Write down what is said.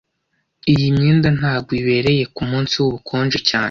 Iyi myenda ntago ibereye kumunsi wubukonje cyane